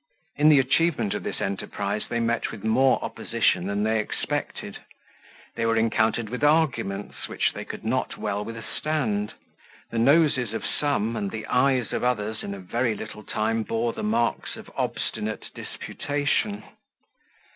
In the achievement of this enterprise, they met with more opposition than they expected; they were encountered with arguments which they could not well withstand; the noses of some, and eyes of others, in a very little time bore the marks of obstinate disputation.